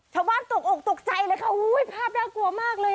ชาวบ้านตกอกตกใจเลยค่ะโอ้โฮภาพน่ากลัวมากเลย